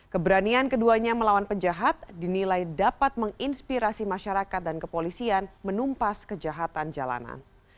keberanian keduanya melawan penjahat dinilai dapat menginspirasi masyarakat dan kepolisian menumpas kejahatan jalanan